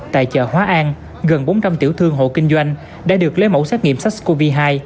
tại chợ hóa an gần bốn trăm linh tiểu thương hộ kinh doanh đã được lấy mẫu xét nghiệm sars cov hai